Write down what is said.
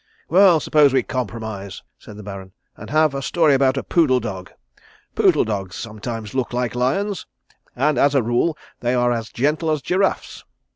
"Well, suppose we compromise," said the Baron, "and have a story about a poodle dog. Poodle dogs sometimes look like lions, and as a rule they are as gentle as giraffes."